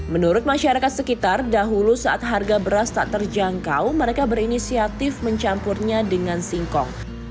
menurut masyarakat sekitar dahulu saat harga beras tak terjangkau mereka berinisiatif mencampurnya dengan singkong